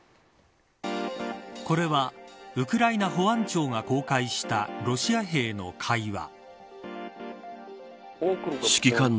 これはウクライナ保安庁が公開したロシア兵の会話。